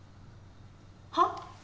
はっ？